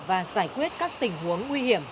và giải quyết các tình huống nguy hiểm